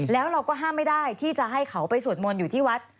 แล้วเราก็ห้ามไม่ได้ที่จะให้เขาไปสวดมนต์อยู่ที่วัด